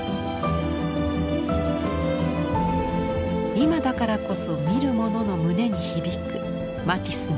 今だからこそ見る者の胸に響くマティスの魅力。